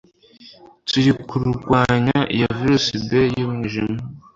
turi kurwanya iyo Virus B y'umwijima.